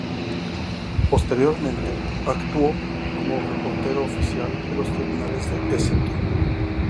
Posteriormente, actuó como reportero oficial de los tribunales de St.